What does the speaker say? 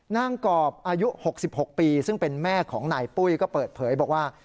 กรอบอายุ๖๖ปีซึ่งเป็นแม่ของนายปุ้ยก็เปิดเผยบอกว่า